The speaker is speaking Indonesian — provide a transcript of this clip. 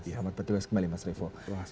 ya terima kasih mas revo